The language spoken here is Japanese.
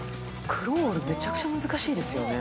クロール、めちゃくちゃ難しいですよね。